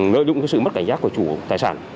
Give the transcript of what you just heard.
lợi dụng sự mất cảnh giác của chủ tài sản